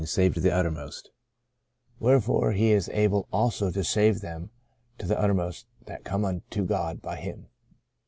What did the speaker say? ' XIV SAVED TO THE UTTERMOST " Wherefore He is able also to save them to the uttermost that come unto God by Him.